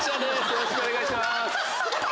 よろしくお願いします。